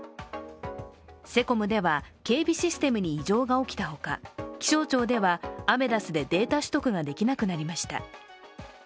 セコムでは、警備システムに異常が起きたほか、気象庁ではアメダスでデータ取得ができなくなりました。